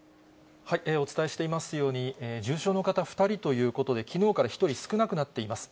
お伝えしていますように、重症の方２人ということで、きのうから１人少なくなっています。